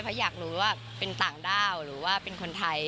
เพราะอยากรู้ว่าเป็นต่างด้าวหรือว่าเป็นคนไทย